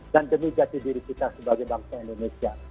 dan demi jati diri kita sebagai bangsa indonesia